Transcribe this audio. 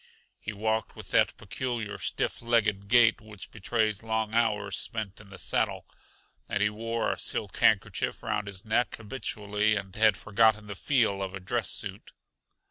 He walked with that peculiar, stiff legged gait which betrays long hours spent in the saddle, and he wore a silk handkerchief around his neck habitually and had forgotten the feel of a dress suit.